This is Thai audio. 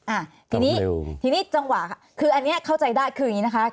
อ่าทีนี้ทีนี้จังหวะคืออันนี้เข้าใจได้คืออย่างนี้นะคะ